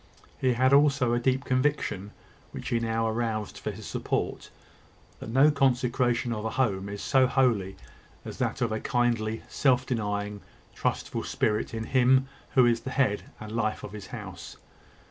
He had also a deep conviction, which he now aroused for his support that no consecration of a home is so holy as that of a kindly, self denying, trustful spirit in him who is the head and life of his house.